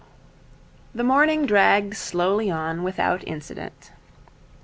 The morning dragged slowly on without incident.